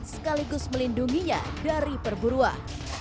sekaligus melindunginya dari perburuan